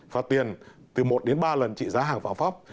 phạt tiền từ một đến ba lần trị giá hàng phạm pháp